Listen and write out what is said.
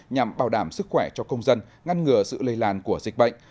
nhằm bảo đảm sức khỏe cho công dân ngăn ngừa sự lây lan của dịch bệnh